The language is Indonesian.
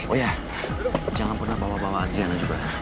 oh ya jangan pernah bawa bawa adriana juga